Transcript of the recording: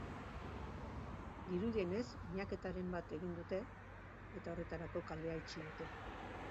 Dirudienez, miaketaren bat egin dute, eta horretarako kalea itxi dute.